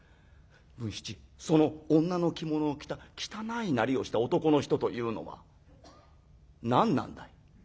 文七その女の着物を着た汚いなりをした男の人というのは何なんだい？」。